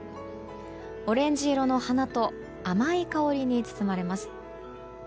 オレンジ色の花と甘い香りに包まれます。